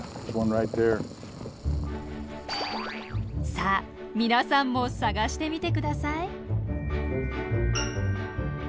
さあ皆さんも探してみて下さい。